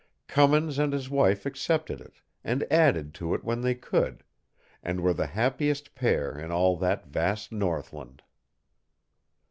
Cummins and his wife accepted it, and added to it when they could, and were the happiest pair in all that vast Northland.